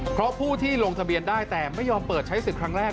เพราะผู้ที่ลงทะเบียนได้แต่ไม่ยอมเปิดใช้สิทธิ์ครั้งแรก